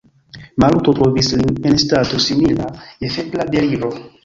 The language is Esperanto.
Maluto trovis lin en stato, simila je febra deliro.